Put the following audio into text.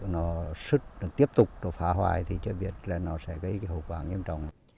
nó sứt nó tiếp tục nó phá hoài thì chắc chắn là nó sẽ gây hậu quả nghiêm trọng